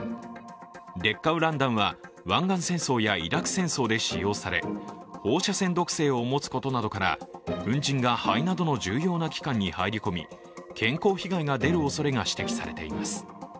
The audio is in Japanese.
劣化ウラン弾は湾岸戦争やイラク戦争で使用され放射線毒性を持つことなどから粉じんが肺などの重要な器官に入り込み、健康被害が出るおそれが指摘されています。